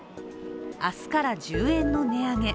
明日から１０円の値上げ。